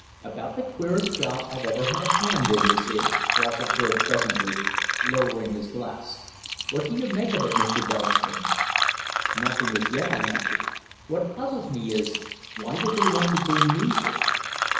"About the queerest job I've ever had a hand in, this is," Ross observed presently, lowering his glass. "What do you make of it, Mr. Berrington?" "Nothing as yet," I answered. "What puzzles me is why did they want to bring me here?"